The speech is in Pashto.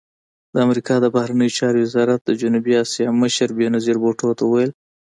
د امریکا د بهرنیو چارو وزارت د جنوبي اسیا مشر بېنظیر بوټو ته وویل